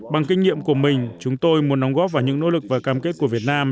bằng kinh nghiệm của mình chúng tôi muốn đóng góp vào những nỗ lực và cam kết của việt nam